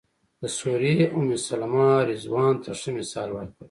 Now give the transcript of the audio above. د سوریې ام سلمې رضوان ته ښه مثال ورکړ.